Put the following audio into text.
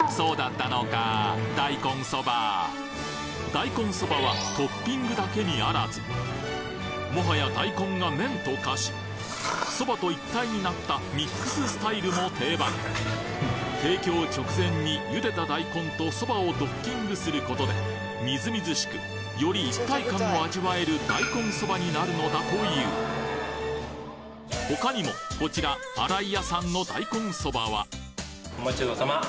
大根そばはトッピングだけにあらずもはや大根が麺と化しそばと一体になったミックススタイルも定番提供直前に茹でた大根とそばをドッキングすることでみずみずしくより一体感を味わえる大根そばになるのだという他にもこちらあらいやさんの大根そばはお待ちどおさま。